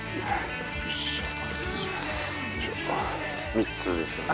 ３つですね。